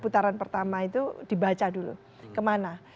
putaran pertama itu dibaca dulu kemana